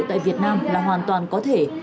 tại việt nam là hoàn toàn có thể